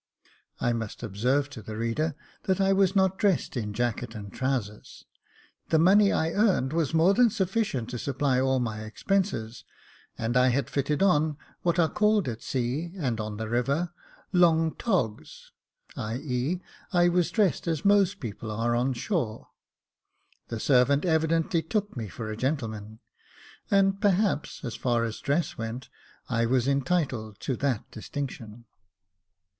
I must observe to the reader that I was not dressed in jacket and trousers. The money I earned was more than sufficient to supply all my expenses, and I had fitted on what are called at sea, and on the river, long togs ; i.e., I was dressed as most people are on shore. The servant evidently took me for a gentleman ; and perhaps, as far as dress went, I was entitled to that distinction.